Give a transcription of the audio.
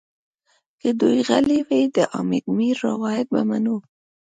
که دوی غلي وي د حامد میر روایت به منو.